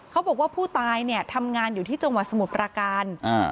เขาบอกว่าผู้ตายเนี่ยทำงานอยู่ที่จังหวัดสมุทรปราการ